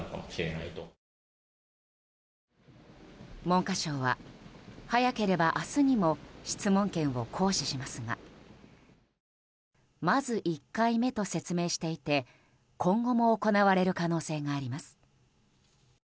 文科省は早ければ明日にも質問権を行使しますがまず１回目と説明していて今後も行われる可能性があります。